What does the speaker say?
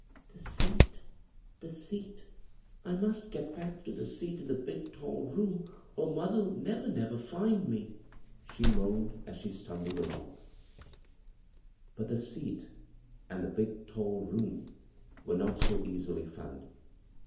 " The seat, the seat I I must get back to the seat in the big tall room, cm* mother'!! never, never find me," she moaned, as she stumbled along. But the " seat " and the " big tall room " were not so easily found.